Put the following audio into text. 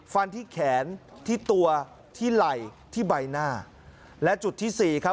ฟันที่แขนที่ตัวที่ไหล่ที่ใบหน้าและจุดที่สี่ครับ